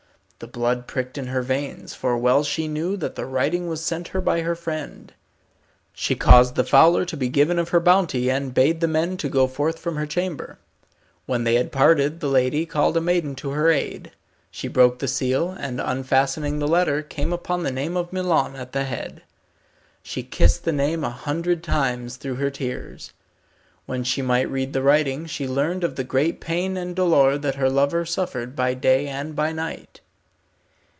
The blood pricked in her veins, for well she knew that the writing was sent her by her friend. She caused the fowler to be given of her bounty, and bade the men to go forth from her chamber. When they had parted the lady called a maiden to her aid. She broke the seal, and unfastening the letter, came upon the name of Milon at the head. She kissed the name a hundred times through her tears. When she might read the writing she learned of the great pain and dolour that her lover suffered by day and by night.